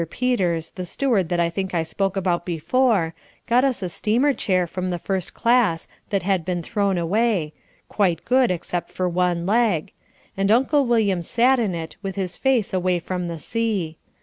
Peters, the steward that I think I spoke about before, got us a steamer chair from the first class that had been thrown away quite good except for one leg, and Uncle William sat in it with his face away from the sea.